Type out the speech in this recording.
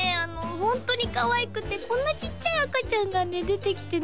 ホントにかわいくてこんなちっちゃい赤ちゃんがね出てきてね